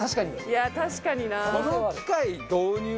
いや確かにな。